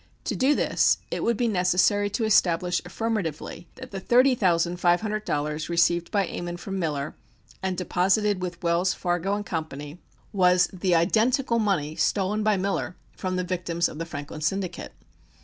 To do this it would be necessary to establish affirmatively that the thirty thousand five hundred dollars received by Ammon from Miller and deposited with Wells, Fargo & Co. was the identical money stolen by Miller from the victims of the Franklin Syndicate.